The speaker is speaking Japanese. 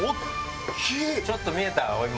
ちょっと見えた俺今。